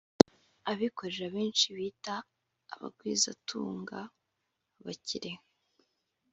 abikorera benshi bita “abagwizatunga” (Abakire)